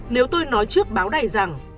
nếu tôi nói trước báo đầy rằng